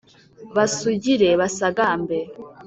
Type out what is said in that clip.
basugire basagambe